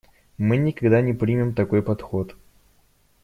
Мы никогда не примем такой подход.